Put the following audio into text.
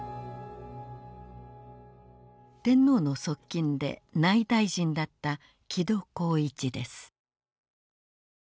天皇の側近で内大臣だった木戸幸一です。